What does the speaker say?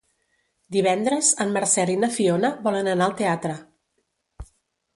Divendres en Marcel i na Fiona volen anar al teatre.